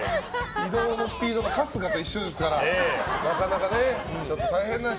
移動もスピードも春日と一緒ですからなかなか大変です。